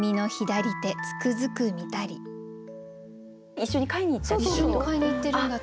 一緒に買いに行ったってこと？